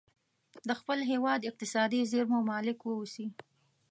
د خپل هیواد اقتصادي زیرمو مالک واوسي.